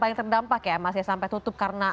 paling terdampak ya mas ya sampai tutup karena